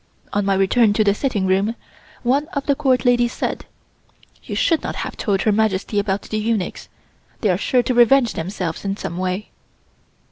On my return to the sitting room, one of the Court ladies said: "You should not have told Her Majesty about the eunuchs, they are sure to revenge themselves in some way."